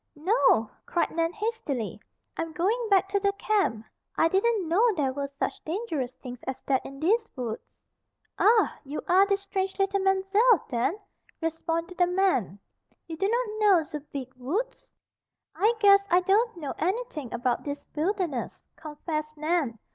"No!" cried Nan hastily. "I'm going back to the camp. I didn't know there were such dangerous things as that in these woods." "Ah! You are de strange leetle Mam'zelle den?" responded the man. "You do not know ze Beeg Woods?" "I guess I don't know anything about this wilderness," confessed Nan.